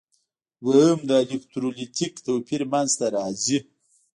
دوهم د الکترولیتیک توپیر منځ ته راځي.